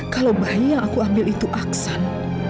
kalau bayi yang aku ambil itu aksan